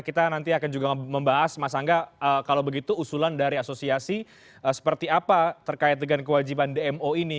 kita nanti akan juga membahas mas angga kalau begitu usulan dari asosiasi seperti apa terkait dengan kewajiban dmo ini